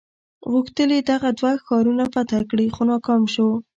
غوښتل یې دغه دوه ښارونه فتح کړي خو ناکام شو.